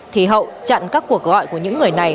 thì hậu chặn các cuộc gọi của những người này